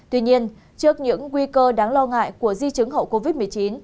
tuy nhiên trước những nguy cơ đáng lo ngại của di chứng hậu covid một mươi chín